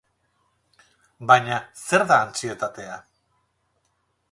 Baina, zer da antsietatea?